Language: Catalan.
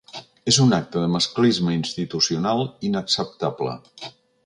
És un acte de masclisme institucional inacceptable.